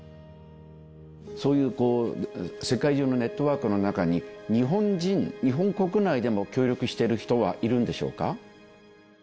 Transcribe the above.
そういう世界中のネットワークの中に、日本人、日本国内でも協力している人はいるんでしょうか。